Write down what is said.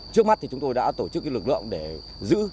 trước mắt thì chúng tôi đã tổ chức lực lượng để giữ